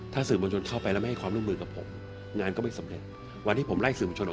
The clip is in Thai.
ถ้าสื่อมวลชนเข้าไปแล้วไม่ให้ความลูกมือกับผมงานก็ไม่สำเร็จ